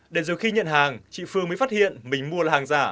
để dù khi nhận hàng chị phương mới phát hiện mình mua là hàng giả